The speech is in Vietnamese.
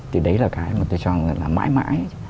thì đấy là cái mà tôi cho là mãi mãi